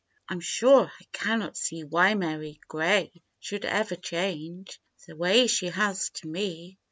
J I'm sure I cannot see Why Mary Grey should ever change The way she has to me.